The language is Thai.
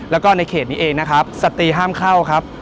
แล้วก็ในเขตนี้เองนะครับสตรีห้ามเข้าครับ